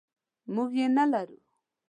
موږ یې نلرو.